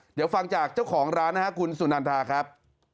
เดี๋ยวฟังจากเจ้าของร้านนะครับคุณสุนันทาครับ